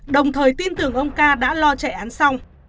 đồng thời tin tưởng ông ca đã lo chạy án xong